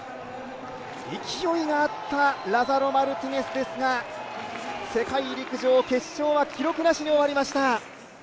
勢いがあった、ラザロ・マルティネスですが、世界陸上決勝は記録なしに終わりました。